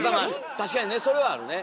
確かにねそれはあるね。